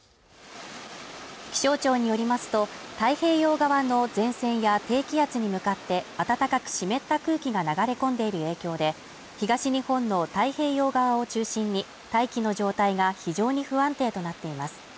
気象庁によりますと、太平洋側の前線や低気圧に向かって暖かく湿った空気が流れ込んでいる影響で、東日本の太平洋側を中心に大気の状態が非常に不安定となっています。